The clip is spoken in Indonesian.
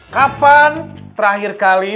kapan terakhir kali